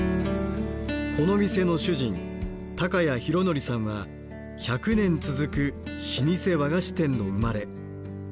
この店の主人高家裕典さんは１００年続く老舗和菓子店の生まれ。